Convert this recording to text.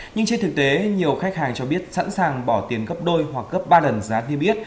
nhưng trên thực tế nhiều khách hàng cho biết sẵn sàng bỏ tiền gấp đôi hoặc gấp ba lần giá niêm yết